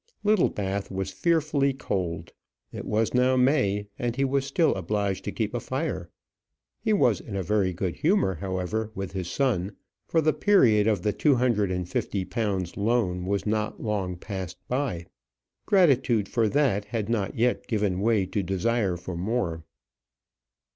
Littlebath was fearfully, fearfully cold. It was now May, and he was still obliged to keep a fire. He was in a very good humour however with his son, for the period of the two hundred and fifty pounds' loan was not long passed by. Gratitude for that had not yet given way to desire for more.